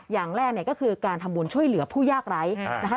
อย่างแรกเนี่ยก็คือการทำบุญช่วยเหลือผู้ยากไร้นะคะ